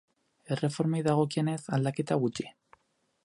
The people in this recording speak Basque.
Erreformei dagokienez, aldaketa gutxi.